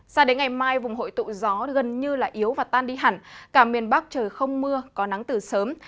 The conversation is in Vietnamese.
sao đến ngày mai vùng hội tụ gió gần như yếu và tan đi hẳn cả miền bắc trời không mưa có nắng từ sớm